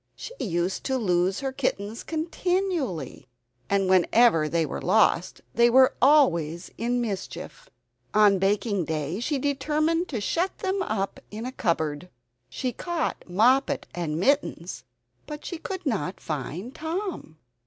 She used to lose her kittens continually, and whenever they were lost they were always in mischief! On baking day she determined to shut them up in a cupboard. She caught Moppet and Mittens, but she could not find Tom.